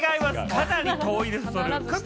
かなり遠いです。